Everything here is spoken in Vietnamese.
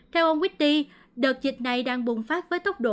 theo ông whitty đợt dịch này đang bùng phát với tốc độ cao